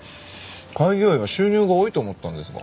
開業医は収入が多いと思ったんですが。